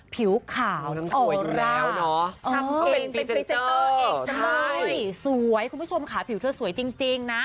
ผิวขาวอร่าสวยคุณผู้ชมค่ะผิวเธอสวยจริงนะ